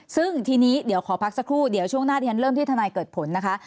ซึ่งทีนี้เดี๋ยวขอพักสักครู่เดี๋ยวช่วงหน้าที่ฉันเริ่มที่ทนายเกิดผลนะคะ